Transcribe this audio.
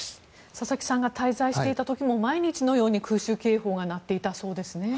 佐々木さんが滞在していた時も毎日のように空襲警報が鳴っていたそうですね。